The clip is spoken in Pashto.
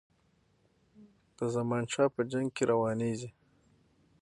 د زمانشاه په جنګ روانیږي.